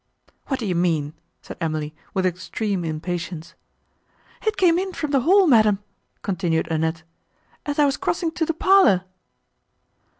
"Who do you mean?" said Emily, with extreme impatience. "It came in from the hall, madam," continued Annette, "as I was crossing to the parlour."